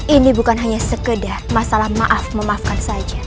ini bukan hanya sekedar masalah maaf memaafkan saja